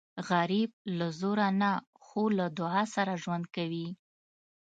غریب له زوره نه خو له دعا سره ژوند کوي